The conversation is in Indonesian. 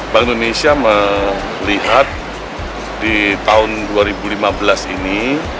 bank indonesia melihat di tahun dua ribu lima belas ini